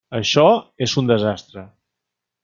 Això és un desastre.